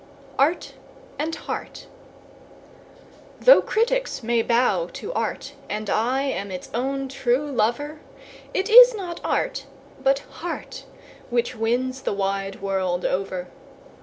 ART AND HEART. Though critics may bow to art, and I am its own true lover, It is not art, but heart, which wins the wide world over.